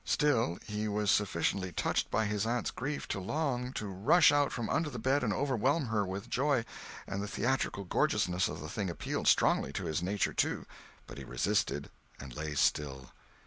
Still, he was sufficiently touched by his aunt's grief to long to rush out from under the bed and overwhelm her with joy—and the theatrical gorgeousness of the thing appealed strongly to his nature, too, but he resisted and lay still.